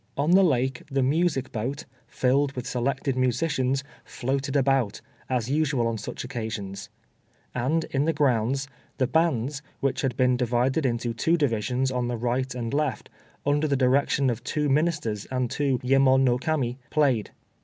On the lake, "the music boat," filled with selected musicians, floated about, as usual on such occasions; and in the grounds, the bands, which were divided into two divisions on the right and left, under the direction of two Ministers and two Yemon no Kami, played.